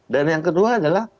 dan yang kedua adalah